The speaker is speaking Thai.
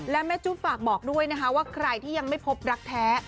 และแม่จุ๊บฝากบอกด้วยนะคะว่าใครที่ยังไม่พบรักแท้